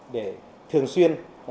để thường xuyên